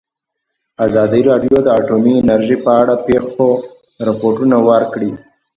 ازادي راډیو د اټومي انرژي په اړه د پېښو رپوټونه ورکړي.